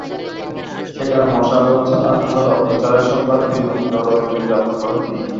সেখানে মশা এবং ছারপোকার অত্যাচারে সোমবার বিনিদ্র রজনী যাপন করেন তিনি।